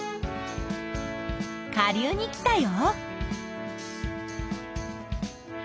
下流に来たよ。